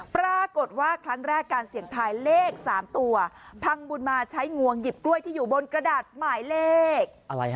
ปรากฏว่าครั้งแรกการเสี่ยงทายเลข๓ตัวพังบุญมาใช้งวงหยิบกล้วยที่อยู่บนกระดาษหมายเลขอะไรฮะ